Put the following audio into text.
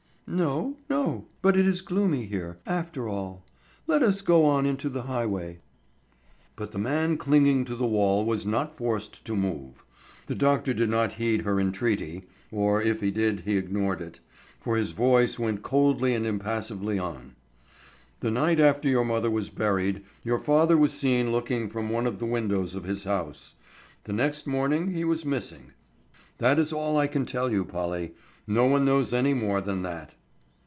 "No, no; but it is gloomy here, after all; let us go on into the highway." But the man clinging to the wall was not forced to move. The doctor did not heed her entreaty, or if he did he ignored it, for his voice went coldly and impassively on: "The night after your mother was buried, your father was seen looking from one of the windows of his house. The next morning he was missing. That is all I can tell you, Polly. No one knows any more than that."